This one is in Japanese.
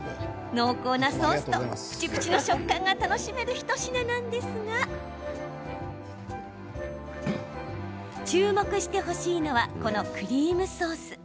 濃厚なソースとプチプチの食感が楽しめる一品なんですが注目してほしいのはこのクリームソース。